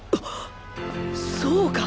そうか！